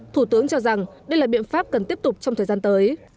thủ tướng cho rằng đây là biện pháp cần tiếp tục trong thời gian tới